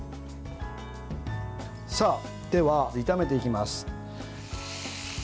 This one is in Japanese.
では、炒めていきます。